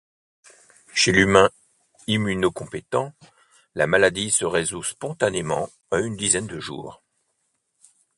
Chez l'humain immunocompétent, la maladie se résout spontanément en une dizaine de jours.